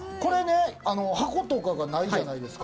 箱がないじゃないですか？